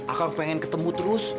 akang pengen ketemu terus